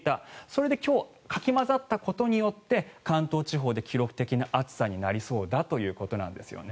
それで今日かき混ざったことによって関東地方で記録的な暑さになりそうだということです。